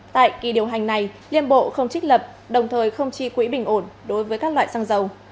tại kỳ điều hành này liên bộ không trích lập đồng thời không chi quỹ bình ổn đối với các loại xăng dầu